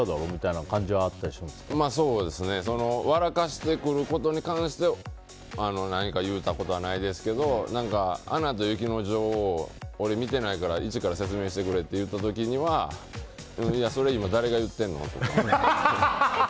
してくる時に関しては何か言うたことはないですけど「アナと雪の女王」を俺、見てないから一から説明してくれって言った時にはそれ今誰が言ってんの？とか。